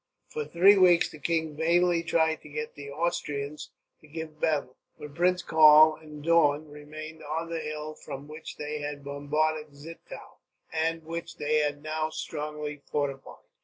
For three weeks the king vainly tried to get the Austrians to give battle, but Prince Karl and Daun remained on the hill from which they had bombarded Zittau, and which they had now strongly fortified.